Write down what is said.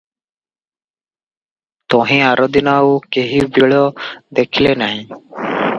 ତହିଁଆରଦିନ ଆଉ କେହିବିଳ ଦେଖିଲେ ନାହିଁ ।